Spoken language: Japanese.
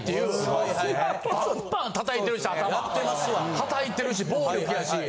はたいてるし暴力やし。